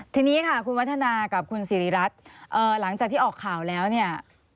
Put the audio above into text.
ทีนี้ค่ะคุณวัฒนากับคุณสิริรัตน์หลังจากที่ออกข่าวแล้วเนี่ย